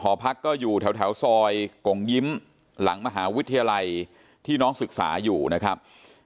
หพักก็อยู่แถวซอยกงยิ้มหลังมหาวิทยาลัยที่น้องศึกษาอยู่นะครับ